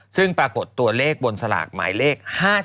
ซึ่งปรากฏตัวเลขบนสลากหมายเลข๕๔